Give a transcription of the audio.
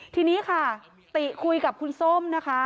ทีนี้ค่ะติคุยกับคุณส้มนะคะ